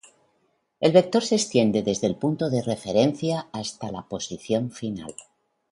El vector se extiende desde el punto de referencia hasta la posición final.